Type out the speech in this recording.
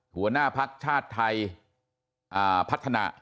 หัวหน้าภักดิ์ชาติไทยพัฒนา